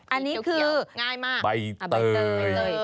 อันนี้คือใบเตย